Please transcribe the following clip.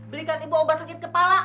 belikan ibu obat sakit kepala